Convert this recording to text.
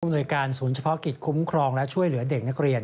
โดยการศูนย์เฉพาะกิจคุ้มครองและช่วยเหลือเด็กนักเรียน